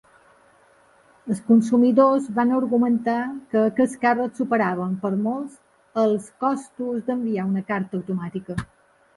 Els consumidors van argumentar que aquests càrrecs superaven per molt els costos d'enviar una carta automàtica.